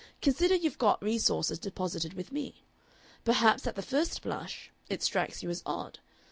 Consider you've got resources deposited with me. Perhaps at the first blush it strikes you as odd.